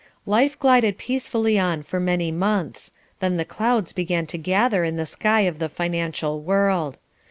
Life glided peacefully on for many months, then the clouds began to gather in the sky of the financial world.